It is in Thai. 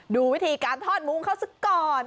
ดูวิธีการทอดมุ้งเขาสักก่อน